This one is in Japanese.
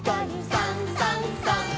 「さんさんさん」